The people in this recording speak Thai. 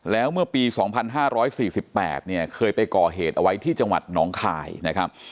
แล้วเมื่อปี๒๕๔๘เนี่ยเคยไปก่อเหตุเอาไว้ที่จังหวัดหนองคายนะครับ